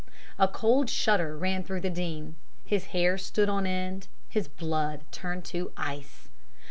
A cold shudder ran through the Dean, his hair stood on end, his blood turned to ice.